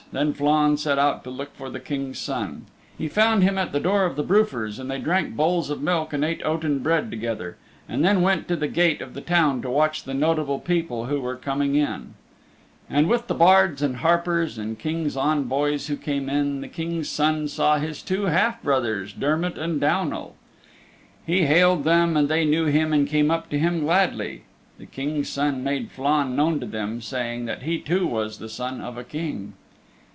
Then Flann set out to look for the King's Son. He found him at the door of the Brufir's, and they drank bowls of milk and ate oaten bread together, and then went to the gate of the town to watch the notable people who were coming in. And with the bards and harpers and Kings' envoys who came in, the King's Son saw his two half brothers, Dermott and Downal. He hailed them and they knew him and came up to him gladly. The King's Son made Flann known to them, saying that he too was the son of a King.